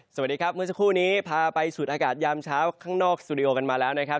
สวัสดีครับเมื่อสักครู่นี้พาไปสูดอากาศยามเช้าข้างนอกสตูดิโอกันมาแล้วนะครับ